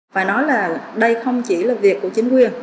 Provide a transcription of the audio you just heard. phải nói là đây không chỉ là việc của chính quyền